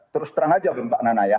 terus terang saja pak nana ya